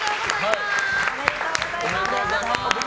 おめでとうございます。